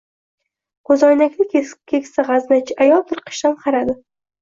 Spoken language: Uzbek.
Koʻzoynakli keksa gʻaznachi ayol tirqishdan qaradi.